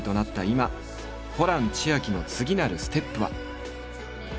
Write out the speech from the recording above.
今ホラン千秋の次なるステップは。